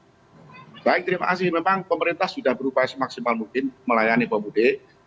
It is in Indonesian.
baik terima kasih memang pemerintah sudah berupaya semaksimal mungkin melayani pemudik